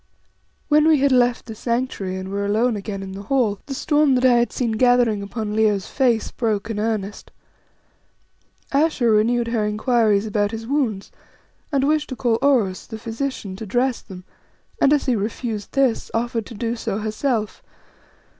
When we had left the Sanctuary and were alone again in the hall, the storm that I had seen gathering upon Leo's face broke in earnest. Ayesha renewed her inquiries about his wounds, and wished to call Oros, the physician, to dress them, and as he refused this, offered to do so herself.